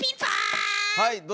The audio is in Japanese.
はい。